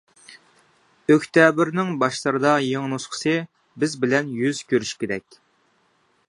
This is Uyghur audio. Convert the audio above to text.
ئۆكتەبىرنىڭ باشلىرىدا يېڭى نۇسخىسى بىز بىلەن يۈز كۆرۈشكۈدەك!